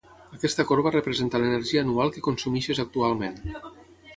aquesta corba representa l'energia anual que consumeixes actualment